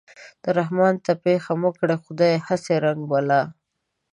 و رحمان ته پېښه مه کړې خدايه هسې رنگ بلا